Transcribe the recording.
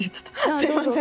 すいません。